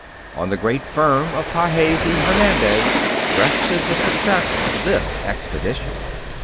On the great firm of Pages y Hernandez rested the success of this expedition.